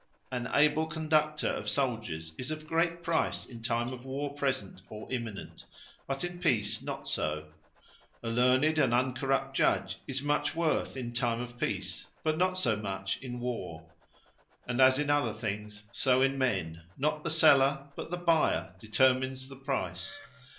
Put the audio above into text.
An able conductor of Souldiers, is of great Price in time of War present, or imminent; but in Peace not so. A learned and uncorrupt Judge, is much Worth in time of Peace; but not so much in War. And as in other things, so in men, not the seller, but the buyer determines the Price.